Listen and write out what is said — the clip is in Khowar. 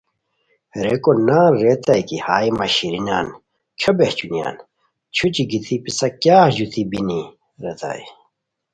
ریکو نان ریتائے کی ہائے مہ شیرینان کھیو بہچونیان! چھوچی گیتی پسہ کیاغ ژوتی بینی ریتائے